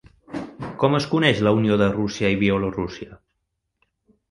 Com es coneix la Unió de Rússia i Bielorússia?